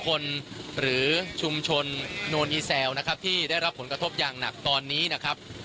หรือชุมชนโนนอีแซวนะครับที่ได้รับผลกระทบอย่างหนักตอนนี้นะครับ